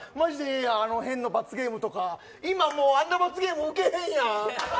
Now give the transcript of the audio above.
あの変な罰ゲームとか今もうあんな罰ゲームウケへんやん。